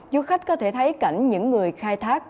du khách có thể thấy cảnh những người khai thác